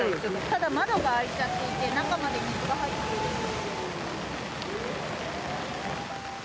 ただ、窓が開いちゃっていて中まで水が入っているので。